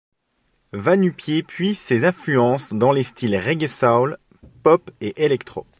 Vanupié puise ses influences dans les styles reggae-soul, pop et électro.